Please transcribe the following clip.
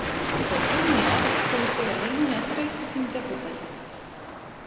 Tai pyrmajā apakškomisejā vīnojās treispadsmit deputati,